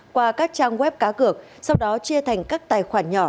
qua các trang web cá cược sau đó chia thành các tài khoản nhỏ